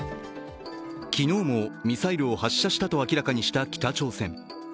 昨日もミサイルを発射したと明らかにした北朝鮮。